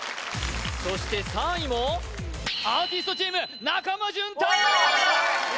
そして３位もアーティストチーム中間淳太おっやった！